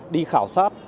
đi khảo sát